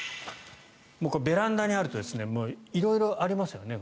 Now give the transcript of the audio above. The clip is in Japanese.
ベランダにあると色々ありますよね。